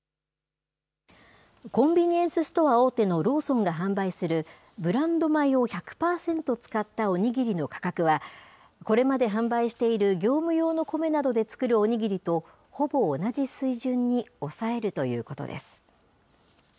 コンビニエンスストア大手のローソンが販売する、ブランド米を１００％使ったお握りの価格は、これまで販売している業務用のコメなどで作るお握りと、ほぼ同じ水準に抑えるということです。